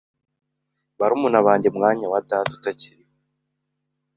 na barumuna banjye mu mwanya wa data utakiriho”.